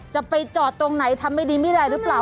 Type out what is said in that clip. จะไปจอดตรงไหนทำไม่ดีไม่ได้หรือเปล่า